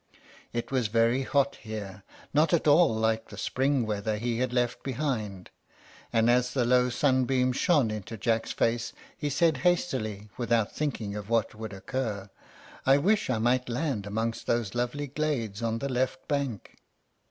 It was very hot here; not at all like the spring weather he had left behind. And as the low sunbeams shone into Jack's face he said hastily, without thinking of what would occur, "I wish I might land among those lovely glades on the left bank."